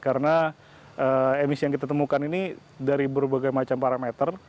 karena emisi yang kita temukan ini dari berbagai macam parameter